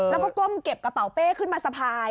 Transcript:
แล้วก็ก้มเก็บกระเป๋าเป้ขึ้นมาสะพาย